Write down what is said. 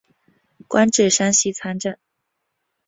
官至山西参政。